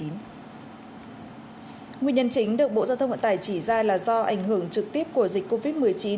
nguyên nhân chính được bộ giao thông vận tải chỉ ra là do ảnh hưởng trực tiếp của dịch covid một mươi chín